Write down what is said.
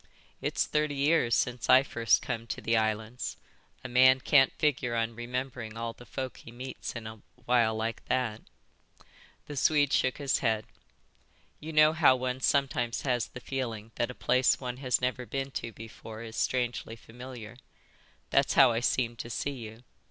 "It's thirty years since I first come to the islands. A man can't figure on remembering all the folk he meets in a while like that." The Swede shook his head. "You know how one sometimes has the feeling that a place one has never been to before is strangely familiar. That's how I seem to see you."